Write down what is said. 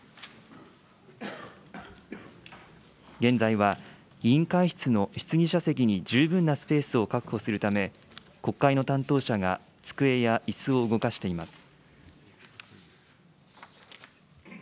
現在は、委員会室の質疑者席に十分なスペースを確保するため、国会の担当者が机やいすを動かしています。